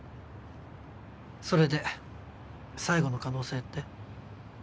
それで最後の可能性って？